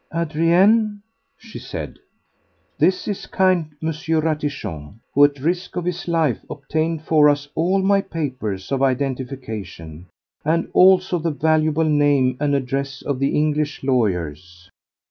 "Adrien," she said, "this is kind M. Ratichon, who at risk of his life obtained for us all my papers of identification and also the valuable name and address of the English lawyers."